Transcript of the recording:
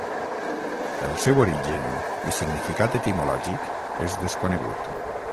El seu origen i significat etimològic és desconegut.